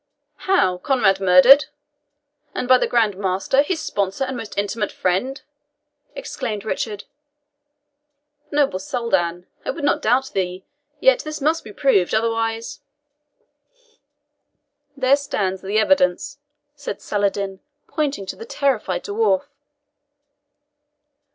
"How! Conrade murdered? And by the Grand Master, his sponsor and most intimate friend!" exclaimed Richard. "Noble Soldan, I would not doubt thee; yet this must be proved, otherwise " "There stands the evidence," said Saladin, pointing to the terrified dwarf.